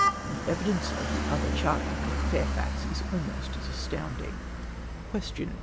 The evidence of the other chartmaker Fairfax is almost as astounding;. Question.